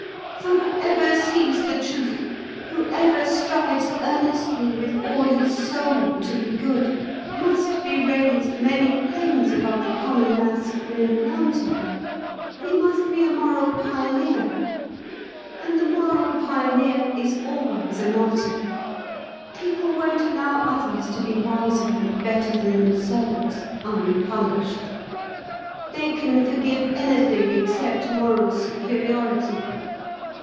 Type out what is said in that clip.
For whoever sees the truth, whoever strives earnestly with all his soul to be good, must be raised many planes above the common mass of men around him; he must be a moral pioneer, and the moral pioneer is always a martyr. People won't allow others to be wiser and better than themselves, unpunished. They can forgive anything except moral superiority.